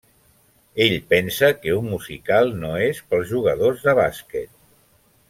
Ell pensa que un musical no és pels jugadors de bàsquet.